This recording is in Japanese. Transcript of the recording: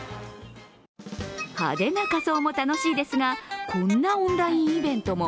派手な仮装も楽しいですがこんなオンラインイベントも。